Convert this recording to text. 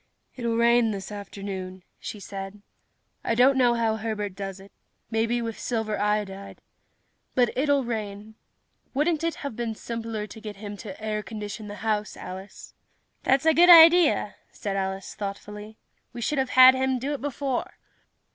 "It'll rain this afternoon," she said. "I don't know how Herbert does it maybe with silver iodide. But it'll rain. Wouldn't it have been simpler to get him to air condition the house, Alice?" "That's a good idea," said Alice thoughtfully. "We should have had him do it before."